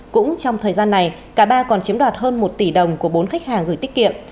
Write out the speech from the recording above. cũng trong thời gian này cả ba còn chiếm đoạt hơn một tỷ đồng của bốn khách hàng gửi tiết kiệm